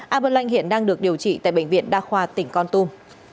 a bơ lanh hiện đang được điều trị tại bệnh viện đa khoa tỉnh con tum